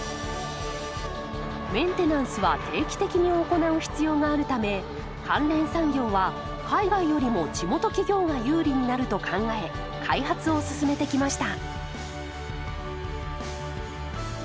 メンテナンスは定期的に行う必要があるため関連産業は海外よりも地元企業が有利になると考え開発を進めてきました。